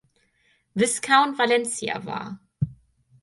Viscount Valentia war.